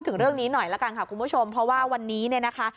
คุณผู้ชมวันนี้เนี่ยนะคะ